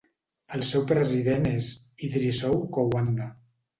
El seu president és Idrissou Kouanda.